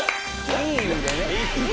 いい意味で！